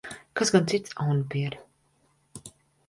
Kas gan cits, aunapiere?